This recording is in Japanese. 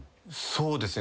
そうですね。